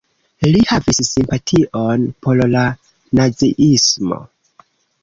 Li havis simpation por la naziismo.